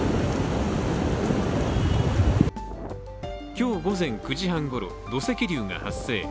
今日午前９時半ごろ、土石流が発生。